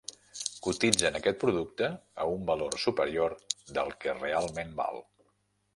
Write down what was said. Cotitzen aquest producte a un valor superior del que realment val.